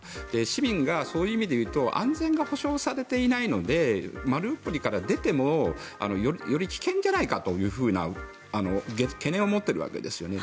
市民がそういう意味で言うと安全が保証されていないのでマリウポリから出てもより危険じゃないかというふうな懸念を持っているわけですよね。